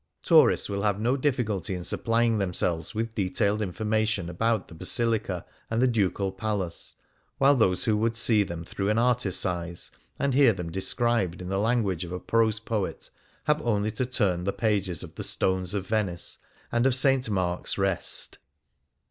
Tourists will have no difficulty in supplying themselves with detailed information about the Basilica and the Ducal Palace, while those who would see them through an artist's eyes, and hear them described in the language of a prose poet, have only to turn to the pages of the " Stones of Venice "" and of " St. Mark's Rest."